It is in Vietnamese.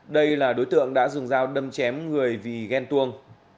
đây là đối tượng đã dùng dao đâm chém người vì ghen tuông